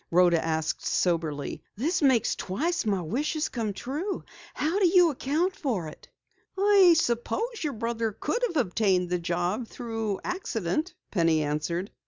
Rhoda asked soberly. "This makes twice my wish has come true. How do you account for it?" "I suppose your brother could have obtained the job through accident," Penny answered.